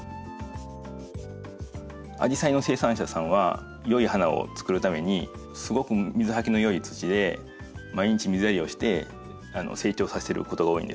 アジサイの生産者さんは良い花をつくるためにすごく水はけの良い土で毎日水やりをして成長させてることが多いんですね。